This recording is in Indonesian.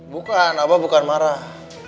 bukan abah bukan marah